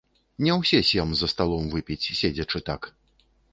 Не ўсе сем за сталом выпіць, седзячы так.